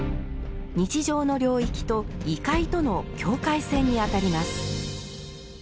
日常の領域と異界との境界線にあたります。